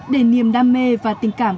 để niềm đam mê và tình cảm